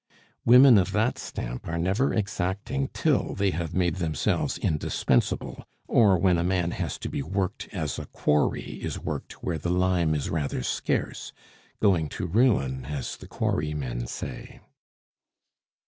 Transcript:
Women of that stamp are never exacting till they have made themselves indispensable, or when a man has to be worked as a quarry is worked where the lime is rather scarce going to ruin, as the quarry men say.